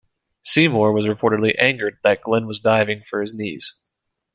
Seymour was reportedly angered that Glenn was diving for his knees.